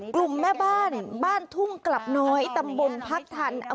กลุ่มแม่บ้านบ้านทุ่งกลับน้อยตำบลพักทัน